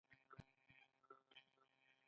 د کاریزونو ساتنه مهمه ده